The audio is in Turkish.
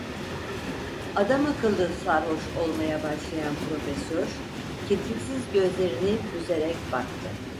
Adamakıllı sarhoş olmaya başlayan Profesör, kirpiksiz gözlerini büzerek baktı.